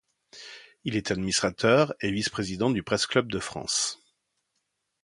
Il est administrateur et vice-Président du Press Club de France.